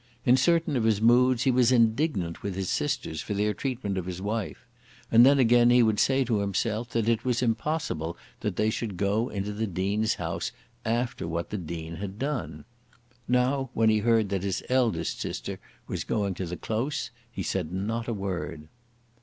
In certain of his moods he was indignant with his sisters for their treatment of his wife; and then again he would say to himself that it was impossible that they should go into the Dean's house after what the Dean had done. Now, when he heard that his eldest sister was going to the Close, he said not a word.